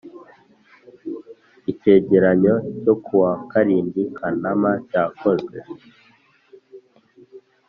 icyegeranyo cyo ku wa karindwi kanama cyakozwe